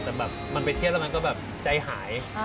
แต่แบบมันไปเที่ยวแล้วมันก็แบบใจหาย